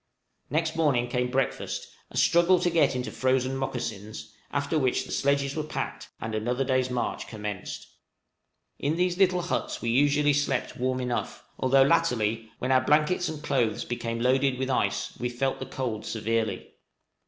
Next morning came breakfast, a struggle to get into frozen mocassins, after which the sledges were packed, and another day's march commenced. In these little huts we usually slept warm enough, although latterly, when our blankets and clothes became loaded with ice, we felt the cold severely.